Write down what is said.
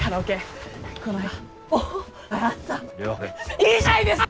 いいじゃないですか！